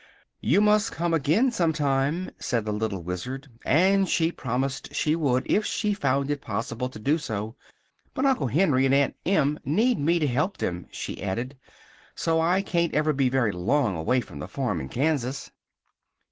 "You must come again, some time," said the little Wizard; and she promised she would if she found it possible to do so. "But Uncle Henry and Aunt Em need me to help them," she added, "so I can't ever be very long away from the farm in Kansas."